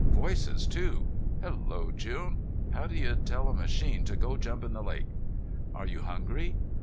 "Voices, too! Hello, June. How do you tell a machine to go jump in the lake?" "Are you hungry?"